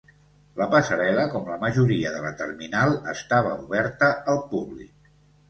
La passarel·la, com la majoria de la terminal, estava oberta al públic.